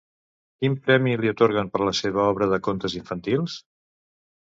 Quin premi li atorguen per la seva obra de contes infantils?